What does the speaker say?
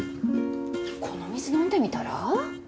このお水飲んでみたら？